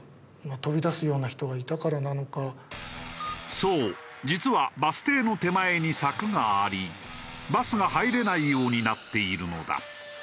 そう実はバス停の手前に柵がありバスが入れないようになっているのだ。